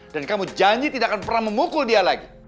dan kamu janji tidak akan pernah memukul dia lagi